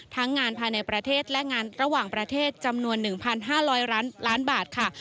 งานภายในประเทศและงานระหว่างประเทศจำนวน๑๕๐๐ล้านบาทค่ะ